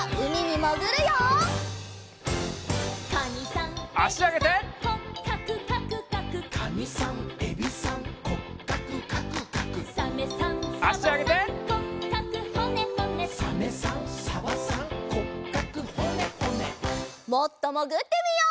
もっともぐってみよう！